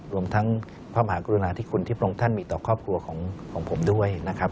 รวมทั้งพระมหากรุณาธิคุณที่พระองค์ท่านมีต่อครอบครัวของผมด้วยนะครับ